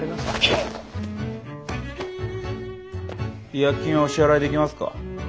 違約金はお支払いできますか？